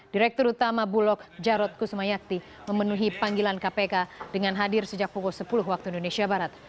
direktur utama bulog jarod kusumayakti memenuhi panggilan kpk dengan hadir sejak pukul sepuluh waktu indonesia barat